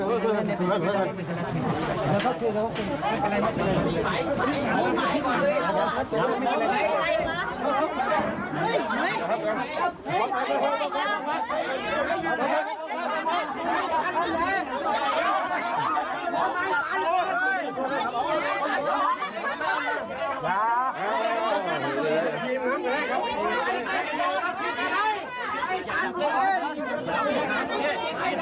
อีก๓ครับแกนอีก๓ครับ